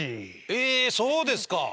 えそうですか。